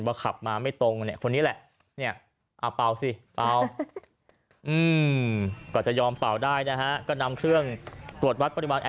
แล้วเข้ามาสภาพยังไงสภาพไอ้มานี่แบบรถมันมาไม่ตรงอยู่แล้วไม่ตรงอยู่